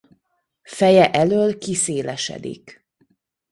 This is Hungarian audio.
Feje elöl kiszélesedik.